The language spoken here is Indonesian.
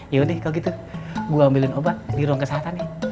yuk gitu gue ambil obat di ruang kesehatan